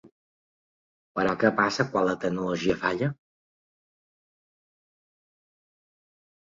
Però que passa quan la tecnologia falla?